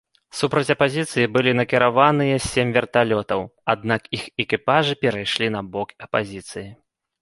Супраць апазіцыі былі накіраваныя сем верталётаў, аднак іх экіпажы перайшлі на бок апазіцыі.